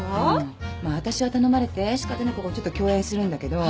まあ私は頼まれて仕方なくちょっと共演するんだけど。